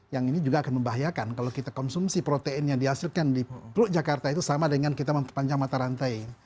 yang ini juga akan membahayakan kalau kita konsumsi protein yang dihasilkan di teluk jakarta itu sama dengan kita memperpanjang mata rantai